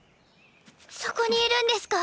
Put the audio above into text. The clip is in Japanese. そこにいるんですか